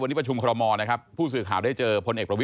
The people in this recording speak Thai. วันนี้ประชุมครอบมองนะครับผู้สื่อข่าวได้เจอ